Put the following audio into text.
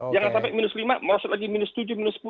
jangan sampai minus lima merosot lagi minus tujuh minus sepuluh